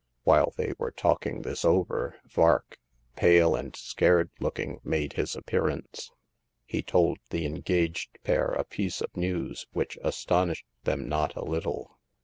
While they were talking over this, Vark, pale and scared looking, made his appearance. He told the engaged pair a piece of news which astonished them not a little.